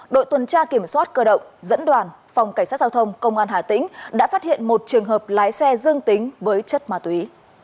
đội tuần tra kiểm soát cơ động dẫn đoàn phòng cảnh sát giao thông công an hà tĩnh đã phát hiện một trường hợp lái xe dương tính với chất ma túy